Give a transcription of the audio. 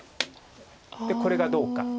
これがどうか。